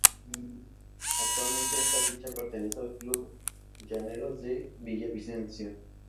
Actualmente esta ficha pertenece al equipo Club Llaneros de Villavicencio.